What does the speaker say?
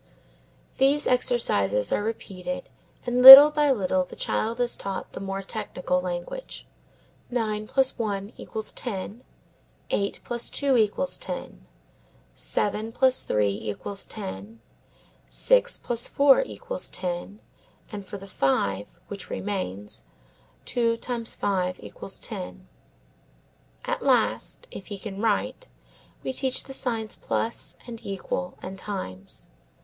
These exercises are repeated and little by little the child is taught the more technical language; nine plus one equals ten, eight plus two equals ten, seven plus three equals ten, six plus four equals ten, and for the five, which remains, two times five equals ten. At last, if he can write, we teach the signs plus and equals and times.